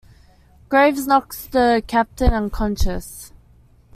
Graves knocks the captain unconscious.